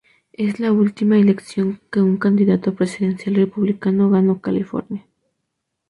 Esta es la última elección que un candidato presidencial republicano ganó California.